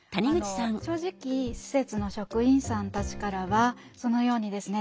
正直施設の職員さんたちからはそのようにですね